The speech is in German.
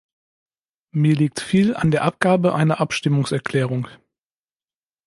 Mir liegt viel an der Abgabe einer Abstimmungserklärung.